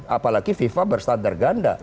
apalagi fifa bersandar ganda